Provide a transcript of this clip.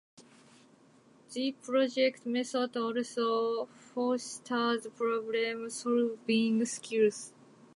The project method also fosters problem-solving skills.